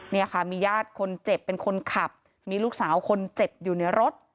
เนี่ยค่ะมีญาติคนเจ็บเป็นคนขับมีลูกสาวคนเจ็บอยู่ในรถ